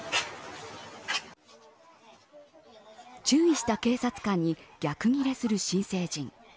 注意した警察官に逆ギレする新成人。